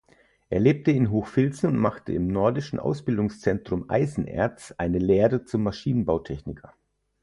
Er lebt in Hochfilzen und machte im Nordischen Ausbildungszentrum Eisenerz eine Lehre zum Maschinenbautechniker.